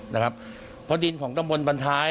เพราะดินของตำบลบันท้าย